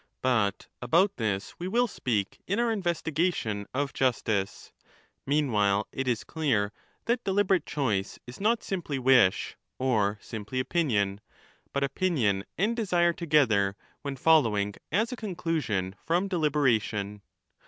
But about this we will speak in our investigation of justice ;^ 1227^ meanwhile, it is clear that deliberate choice is not simply wish or simply opinion, but opinion and desire together when following as a conclusion from deliberation.